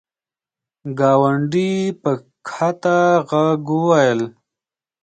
ګاونډي په کښته ږغ وویل !